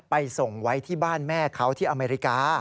ไปส่งไว้ที่บ้านแม่เขาที่อเมริกา